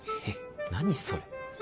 え何それ。